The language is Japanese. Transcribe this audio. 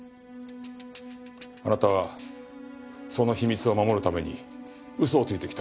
あなたはその秘密を守るために嘘をついてきた。